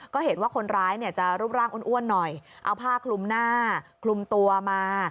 ก็เห็นว่าคนร้ายจะรูปร่างอ้วนหน่อยเอาภาพกลุ่มหน้ากลุ่มตัวมา